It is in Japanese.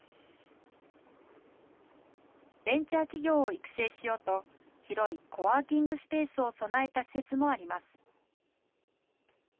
ベンチャー企業を育成しようと広いコワーキングスペースを備えた施設もあります。